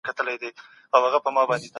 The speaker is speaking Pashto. د فساد کوونکو سره مبارزه زموږ دنده ده.